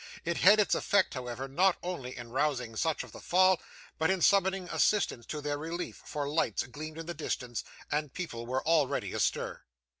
It had its effect, however, not only in rousing such of their fall, but in summoning assistance to their relief; for lights gleamed in the distance, and people were already astir.